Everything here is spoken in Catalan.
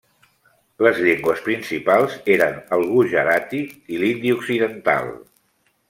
Les llengües principals eren el gujarati i l'hindi occidental.